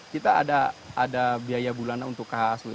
kita ada biaya bulanan untuk khasw